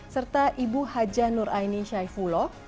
serta ibu haja nuraini syaifulloh